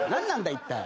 一体。